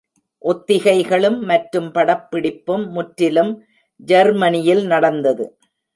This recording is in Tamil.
ஒத்திகைகளும் மற்றும் படப்பிடிப்பும் முற்றிலும் ஜெர்மனியில் நடந்தது.